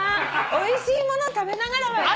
おいしいもの食べながらがいいね。